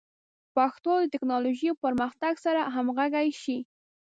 پښتو د ټکنالوژۍ او پرمختګ سره همغږي شي.